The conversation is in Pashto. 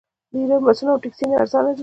د ایران بسونه او ټکسیانې ارزانه دي.